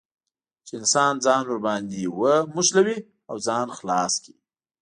چې انسان ځان ور باندې ونښلوي او ځان خلاص کړي.